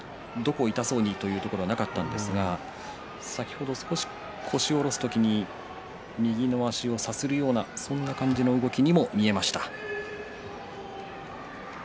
明確にどこを痛そうにというところはなかったんですが先ほど少し腰を下ろす時に右の足をさするようなそんな感じの動きにも見えました。